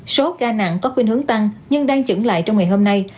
số ca nặng có khuyến hướng tăng nhưng đang chững lại trong ngày hôm nay